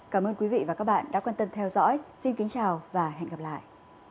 cảm ơn các bạn đã theo dõi và hẹn gặp lại